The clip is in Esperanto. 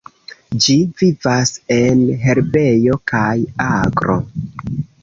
Ĝi vivas en herbejo kaj agro.